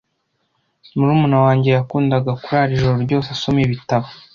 Murumuna wanjye yakundaga kurara ijoro ryose asoma ibitabo.